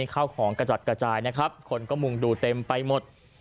ข้าวของกระจัดกระจายนะครับคนก็มุ่งดูเต็มไปหมด